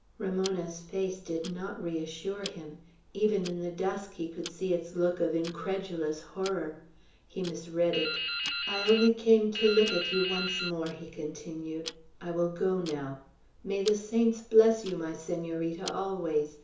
Ramona's face did not reassure him. Even in the dusk he could see its look of incredulous horror. He misread it. "I only came to look at you once more," he continued. "I will go now. May the saints bless you, my Senorita, always.